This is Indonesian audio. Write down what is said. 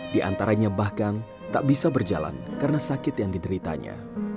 di antaranya bahkan tak bisa berjalan karena sakit yang dideritanya